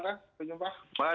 terima kasih pak jum'at